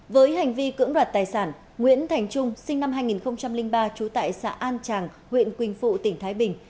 với hành vi cưỡng đoạt tài sản nguyễn thành trung sinh năm hai nghìn ba trú tại xã an tràng huyện quỳnh phụ tỉnh thái bình